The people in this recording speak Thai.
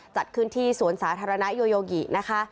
จัดขึ้นที่สวนสาธารณะโยโยกินะคะ